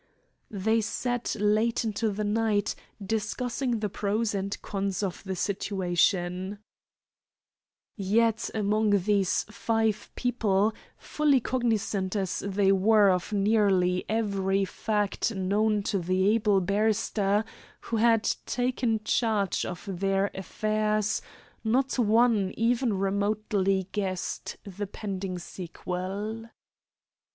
They sat late into the night, discussing the pros and cons of the situation; yet among these five people, fully cognisant as they were of nearly every fact known to the able barrister who had taken charge of their affairs, not one even remotely guessed the pending sequel.